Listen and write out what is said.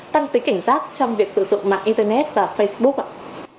tăng tính cảnh giác trong việc sử dụng mạng internet và facebook ạ